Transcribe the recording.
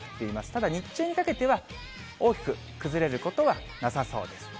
ただ、日中にかけては、大きく崩れることはなさそうです。